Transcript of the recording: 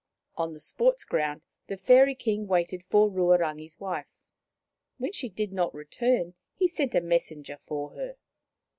On the sports ground the Fairy King waited for Ruarangi's wife. When she did not return, he sent a messenger for her.